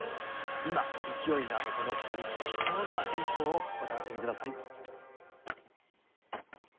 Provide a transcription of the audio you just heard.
今勢いのあるこの２人貴重な演奏をお楽しみください。